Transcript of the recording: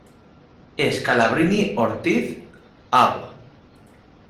Scalabrini Ortiz, Av.